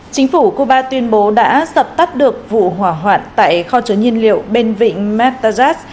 chính phủ cuba tuyên bố đã dập tắt được vụ hỏa hoạn tại kho chứa nhiên liệu bên vịnh metajas